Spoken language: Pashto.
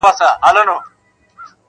هره پېغله هره ښکلې د مُلا د سترګو خارکې -